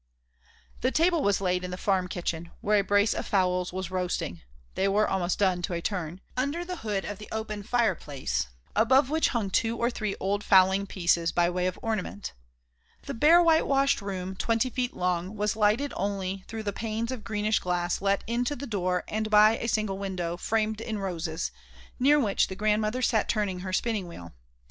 The table was laid in the farm kitchen, where a brace of fowls was roasting, they were almost done to a turn, under the hood of the open fireplace, above which hung two or three old fowling pieces by way of ornament. The bare whitewashed room, twenty feet long, was lighted only through the panes of greenish glass let into the door and by a single window, framed in roses, near which the grandmother sat turning her spinning wheel.